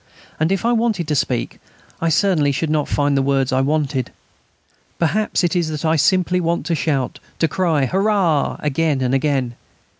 And if I wanted to speak I certainly should not find the words I wanted. Perhaps it is that I simply want to shout, to cry "Hurrah!" again and again.